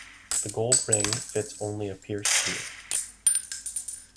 The gold ring fits only a pierced ear.